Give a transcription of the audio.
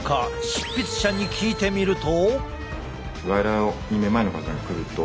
執筆者に聞いてみると。